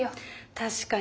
確かに。